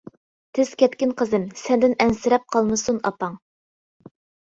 تېز كەتكىن قىزىم، سەندىن ئەنسىرەپ، قالمىسۇن ئاپاڭ.